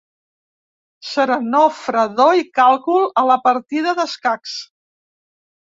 Serenor, fredor i càlcul a la partida d’escacs.